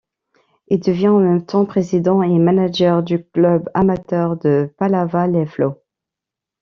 Il devient en même temps président et manager du club amateur de Palavas-les-Flots.